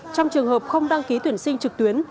trong trường hợp không đăng ký tuyển sinh trực tuyến